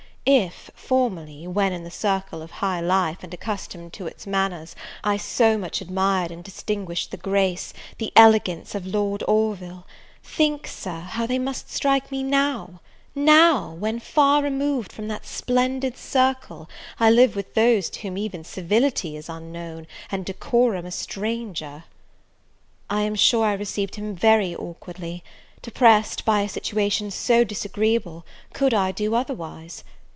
If, formerly, when in the circle of high life, and accustomed to its manners, I so much admired and distinguished the grace, the elegance of Lord Orville, think Sir, how they must strike me now, now, when far removed from that splendid circle, I live with those to whom even civility is unknown, and decorum a stranger! I am sure I received him very awkwardly: depressed by a situation so disagreeable could I do otherwise?